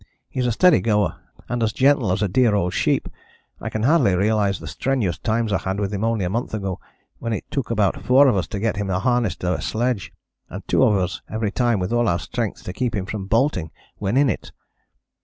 He is a steady goer, and as gentle as a dear old sheep. I can hardly realize the strenuous times I had with him only a month ago, when it took about four of us to get him harnessed to a sledge, and two of us every time with all our strength to keep him from bolting when in it.